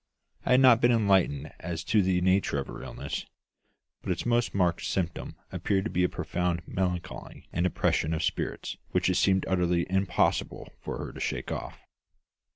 I had not been enlightened as to the nature of her illness; but its most marked symptom appeared to be a profound melancholy and depression of spirits which it seemed utterly impossible for her to shake off.